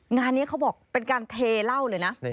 งานนี้เขาบอกเป็นการเทเหล้าเลยนะ